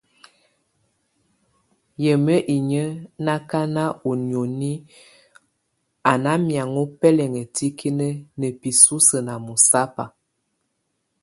Yə mi inyə́ na kaná u níoni a ná miaŋɔ́ pɛlɛŋa tikínə na pisúsu na mɔsapa.